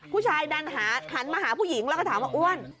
ผู้ชายดันหันมาหาผู้หญิงแล้วก็ถามว่าอ้วน